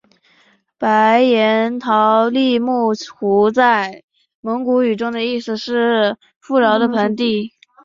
白彦陶力木湖在蒙古语中的意思是富饶的盆地。